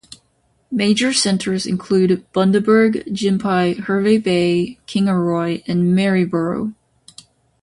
Major centres include Bundaberg, Gympie, Hervey Bay, Kingaroy and Maryborough.